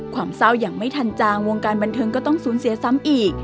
ความเศร้าอย่างไม่ทันจางวงการบันเทิงก็ต้องสูญเสียซ้ำอีก